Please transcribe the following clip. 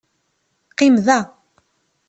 Qqim da!